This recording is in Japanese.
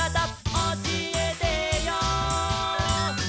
「おしえてよ」